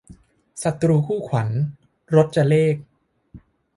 ศัตรูคู่ขวัญ- รจเรข